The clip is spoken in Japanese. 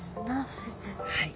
はい。